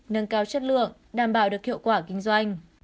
nâng cao chất lượng đảm bảo được hiệu quả kinh doanh